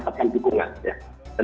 mereka tidak mendapatkan dukungan